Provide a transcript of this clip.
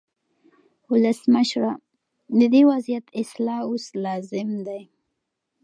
ولسمشره، د دې وضعیت اصلاح اوس لازم دی.